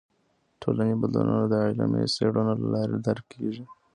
ټولنې بدلونونه د علمي څیړنو له لارې درک کیږي.